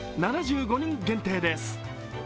７５人限定です。